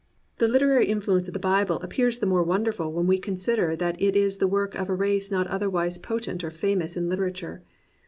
The literary influence of the Bible appears the 5 COMPANIONABLE BOOKS more wonderful when we consider that it is the work of a race not otherwise potent or famous in Hterature.